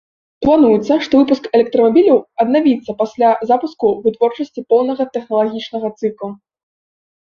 Плануецца, што выпуск электрамабіляў аднавіцца пасля запуску вытворчасці поўнага тэхналагічнага цыкла.